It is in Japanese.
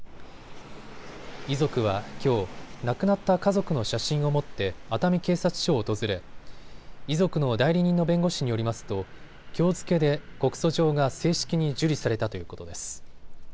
遺族はきょう、亡くなった家族の写真を持って熱海警察署を訪れ遺族の代理人の弁護士によりますときょう付けで告訴状が正式に受理されたということです。